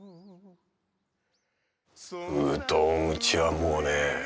うどん打ちはもうね。